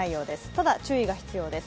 ただ、注意が必要です。